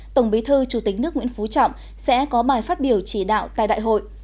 tổng bí thư chủ tịch nước nguyễn phú trọng sẽ có bài phát biểu chỉ đạo tại đại hội